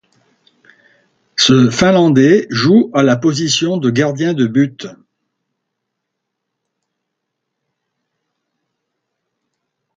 Ce finlandais joue à la position de gardien de but.